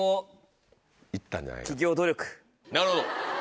なるほど。